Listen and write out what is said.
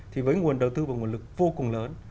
thì với nguồn đầu tư và nguồn lực vô cùng lớn